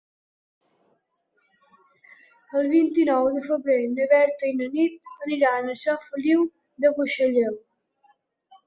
El vint-i-nou de febrer na Berta i na Nit aniran a Sant Feliu de Buixalleu.